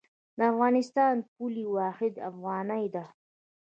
د افغانستان پولي واحد افغانۍ ده